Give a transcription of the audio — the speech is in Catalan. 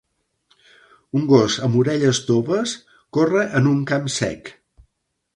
Un gos amb orelles toves corre en un camp sec